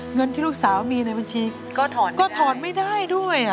เงินที่ลูกสาวมีในบัญชีก็ถอนก็ถอนไม่ได้ด้วย